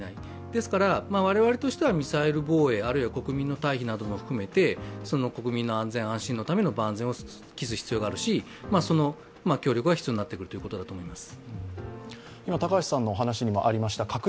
ですから我々はミサイル防衛、あるいは国民の退避なども含めて国民の安全・安心のための万全を期す必要はあるし、その協力が必要になってくるということだと思います。